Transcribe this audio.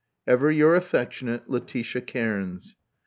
Ever your affectionate, Letitia Cairns."